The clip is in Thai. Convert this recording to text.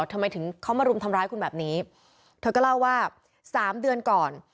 ทำไมถึงเขามารุมทำร้ายคุณแบบนี้เธอก็เล่าว่าสามเดือนก่อน